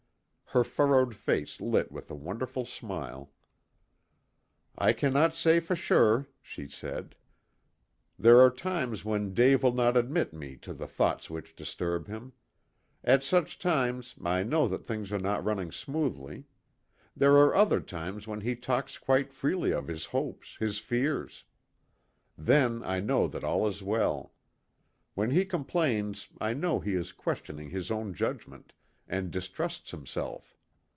Her furrowed face lit with a wonderful smile. "I cannot say for sure," she said. "There are times when Dave will not admit me to the thoughts which disturb him. At such times I know that things are not running smoothly. There are other times when he talks quite freely of his hopes, his fears. Then I know that all is well. When he complains I know he is questioning his own judgment, and distrusts himself.